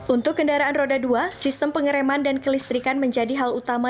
untuk kendaraan roda dua sistem pengereman dan kelistrikan menjadi hal utama